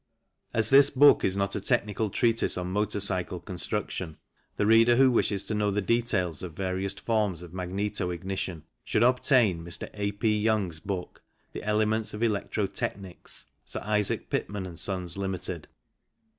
As this book is not a technical treatise on motor cycle construction, the reader who wishes to know the details of various forms of magneto ignition should obtain Mr. A. P. Young's book, The Elements of Electro Technics (Sir Isaac Pitman & Sons, Ltd.).